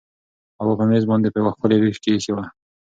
هلوا په مېز باندې په یوه ښکلي لوښي کې ایښې وه.